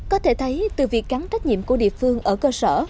có thể thấy từ việc gắn trách nhiệm của địa phương ở cơ sở